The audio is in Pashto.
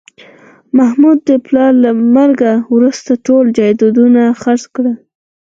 محمود د پلار له مرګه وروسته ټول جایدادونه خرڅ کړل